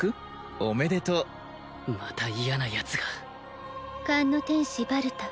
おめでとうまた嫌なヤツが勘の天使バルタ